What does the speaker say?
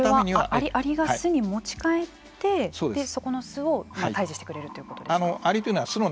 アリが巣に持ち帰ってそこの巣を退治してくれるということですか。